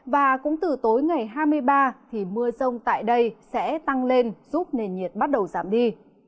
và cũng từ tối ngày hai mươi ba thì mưa rông tại đây sẽ tăng lên giúp nền nhiệt bắt đầu giảm đi